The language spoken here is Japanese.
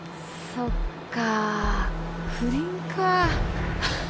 そっか不倫か。